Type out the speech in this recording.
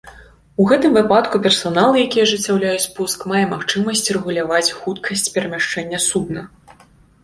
У гэтым выпадку персанал, які ажыццяўляе спуск, мае магчымасць рэгуляваць хуткасць перамяшчэння судна.